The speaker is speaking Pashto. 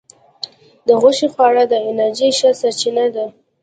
د غوښې خواړه د انرژی ښه سرچینه ده.